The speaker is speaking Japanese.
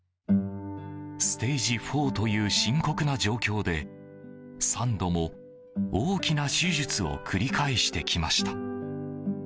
ステージ４という深刻な状況で３度も大きな手術を繰り返してきました。